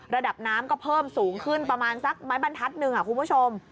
ระดับน้ำก็เพิ่มสูงขึ้นประมาณสักไม้บรรทัศน์หนึ่งคุณผู้ชม